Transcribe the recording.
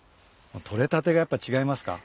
取れたてはやっぱ違いますか？